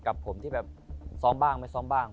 กับผมที่แบบซ้อมบ้างไม่ซ้อมบ้าง